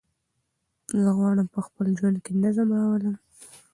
زه غواړم په خپل ژوند کې نظم راولم.